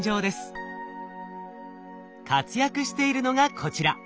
活躍しているのがこちら。